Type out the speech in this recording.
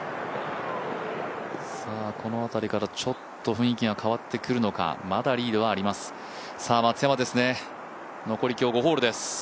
この辺りからちょっと雰囲気が変わってくるのかまだリードはあります